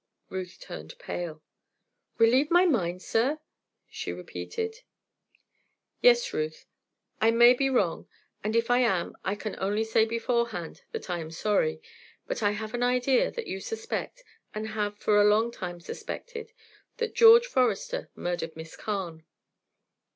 Ruth turned pale. "Relieve my mind, sir!" she repeated. "Yes, Ruth; I may be wrong, and if I am I can only say beforehand that I am sorry; but I have an idea that you suspect, and have for a long time suspected, that George Forester murdered Miss Carne."